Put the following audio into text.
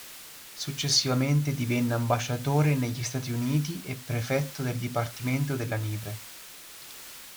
Successivamente divenne ambasciatore negli Stati Uniti e prefetto del dipartimento della Nièvre.